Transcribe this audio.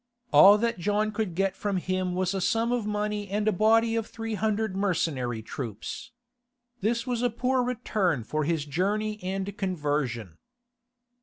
All that John could get from him was a sum of money and a body of three hundred mercenary troops. This was a poor return for his journey and conversion.